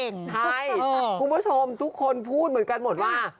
ใช่คุณผู้ชมทุกคนพูดเหมือนกันหมดว่า